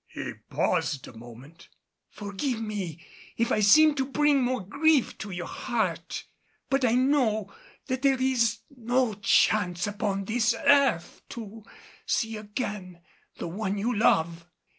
He paused a moment. "Forgive me if I seem to bring more grief to your heart. But I know that there is no chance upon this earth to see again the one you love.